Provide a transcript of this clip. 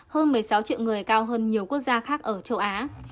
hơn một mươi sáu triệu người cao hơn nhiều quốc gia khác ở châu á